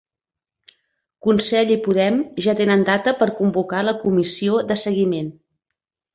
Consell i Podem ja tenen data per convocar la comissió de seguiment